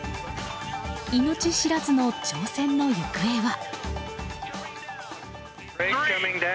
命知らずの挑戦の行方は。